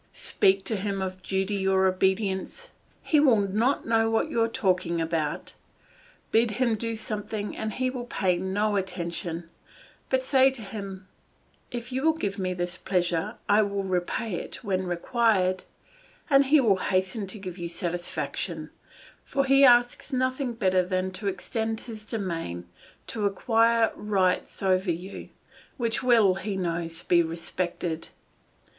Speak to him of duty or obedience; he will not know what you are talking about; bid him do something and he will pay no attention; but say to him, "If you will give me this pleasure, I will repay it when required," and he will hasten to give you satisfaction, for he asks nothing better than to extend his domain, to acquire rights over you, which will, he knows, be respected.